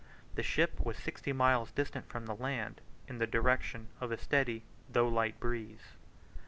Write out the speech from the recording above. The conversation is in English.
The ship was sixty miles distant from the land, in the direction of a steady though light breeze.